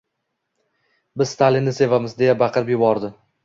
“Biz Stalinni sevamiz” deya baqirib yubordi.